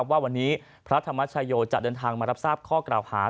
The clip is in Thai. ว่าวันนี้พระธรรมชโยจะเดินทางมารับทราบข้อกล่าวหา